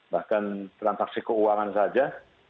bahkan transaksi keuangan saja